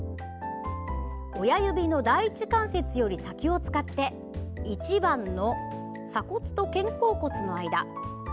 親指の第１関節より先を使って１番の鎖骨と肩甲骨の間。